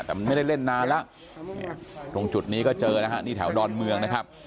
แต่มันไม่ได้เล่นนานแล้วตรงจุดนี้ก็เจอนะฮะนี่แถวดอนเมืองนะครับ